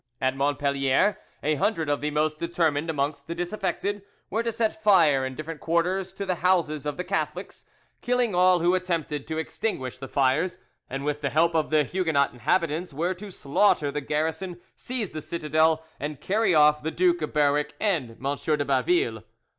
At Montpellier a hundred of the most determined amongst the disaffected were to set fire in different quarters to the houses of the Catholics, killing all who attempted to extinguish the fires, and with the help of the Huguenot inhabitants were, to slaughter the garrison, seize the citadel, and carry off the Duke of Berwick and M. de Baville.